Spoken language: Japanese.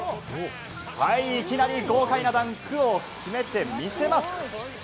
いきなり豪快なダンクを決めてみせます。